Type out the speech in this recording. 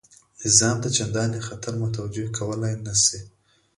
نظام ته چنداني خطر متوجه کولای نه شي.